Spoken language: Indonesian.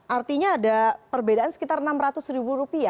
artinya ada perbedaan sekitar rp enam ratus